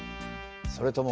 それとも。